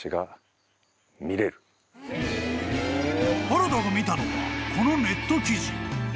［原田が見たのはこのネット記事］